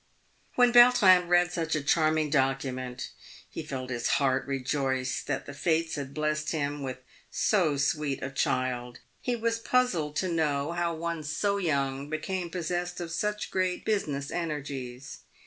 When Yautrin read such a charming document, he felt bis heart rejoice that the fates had blessed him with so sweet a child. He was puzzled to know how one so young became possessed of such great business energies.